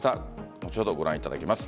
後ほどご覧いただきます。